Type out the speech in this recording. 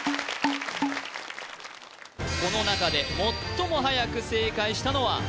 この中で最もはやく正解したのは？